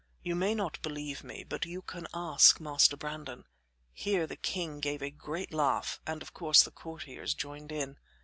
You may not believe me, but you can ask Master Brandon" here the king gave a great laugh, and of course the courtiers joined in.